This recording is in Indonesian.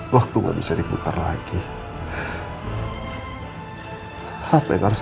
masih kamu bahagia sekali masih kamu bahagia sekali